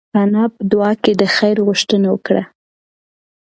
انا په دعا کې د خیر غوښتنه وکړه.